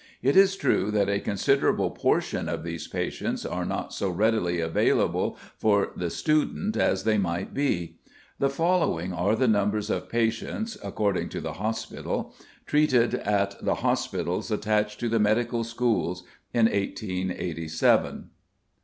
It is true that a considerable portion of these patients are not so readily available for the student as they might be. The following are the numbers of patients (according to The Hospital) treated at the hospitals attached to medical schools in 1887: In patients. Out patients. Total.